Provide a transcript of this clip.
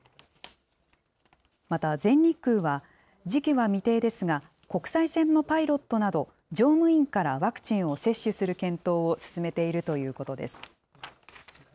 また全日空は、時期は未定ですが、国際線のパイロットなど、乗務員からワクチンを接種する検討を進めているということです。